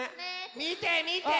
みてみて！